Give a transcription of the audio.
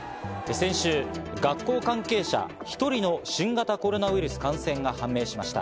先週、学校関係者１人の新型コロナウイルス感染が判明しました。